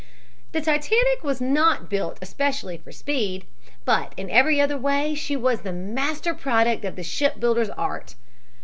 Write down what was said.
The Titanic was not built especially for speed, but in every other way she was the master product of the shipbuilders' art.